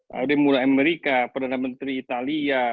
mulai dari amerika perdana menteri italia